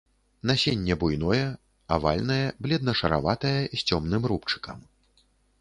Насенне буйное, авальнае, бледна-шараватае, з цёмным рубчыкам.